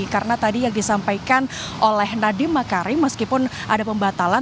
karena tadi yang disampaikan oleh nadiem makarim meskipun ada pembatalan